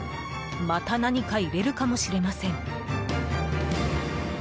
また何か入れるかもしれません。